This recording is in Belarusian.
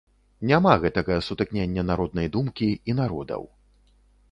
Няма гэтага сутыкнення народнай думкі і народаў.